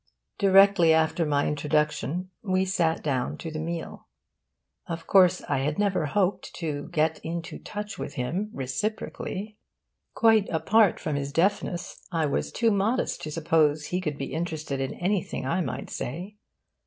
Directly after my introduction, we sat down to the meal. Of course I had never hoped to 'get into touch with him' reciprocally. Quite apart from his deafness, I was too modest to suppose he could be interested in anything I might say.